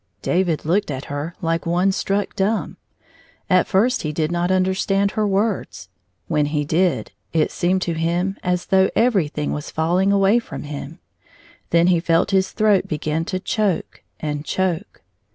David looked at her like one struck dumb. At first he did not understand her words ; when he did, it seemed to him as though everjiihing was falling away fi om him. Then he felt his throat begin to choke and choke.